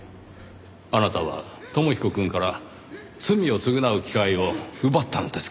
あなたは友彦くんから罪を償う機会を奪ったのですから。